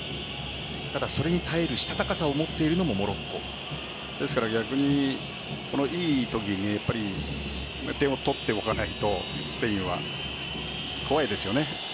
ただそれに耐えるしたたかさを持ってるのも逆にいいときに点を取っておかないとスペインは怖いですよね。